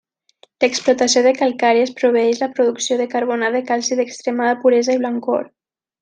L'explotació de calcàries proveeix la producció de carbonat de calci d'extremada puresa i blancor.